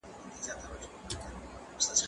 که وخت وي، سفر کوم!.